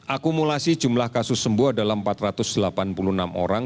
akumulasi jumlah kasus sembuh adalah empat ratus delapan puluh enam orang